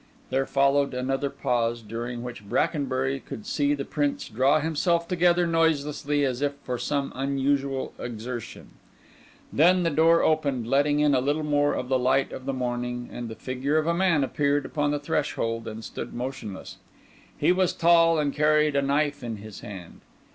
There followed another pause, during which Brackenbury could see the Prince draw himself together noiselessly as if for some unusual exertion. Then the door opened, letting in a little more of the light of the morning; and the figure of a man appeared upon the threshold and stood motionless. He was tall, and carried a knife in his hand.